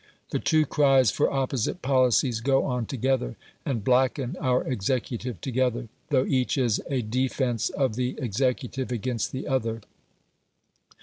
The two cries for opposite policies go on together, and blacken our executive together, though each is a defence of the executive against the other.